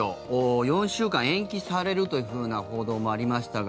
４週間延期されるという報道もありましたが